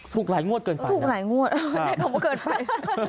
ถูกหลายงวดเกินฝันนะถูกหลายงวดเออจากคำว่าเกินฝัน